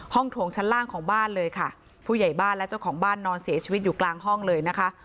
ถวงชั้นล่างของบ้านเลยค่ะผู้ใหญ่บ้านและเจ้าของบ้านนอนเสียชีวิตอยู่กลางห้องเลยนะคะ